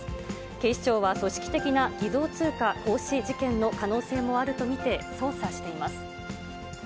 警視庁は組織的な偽造通貨行使事件の可能性もあると見て捜査しています。